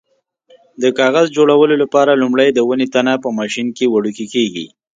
د کاغذ جوړولو لپاره لومړی د ونې تنه په ماشین کې وړوکی کېږي.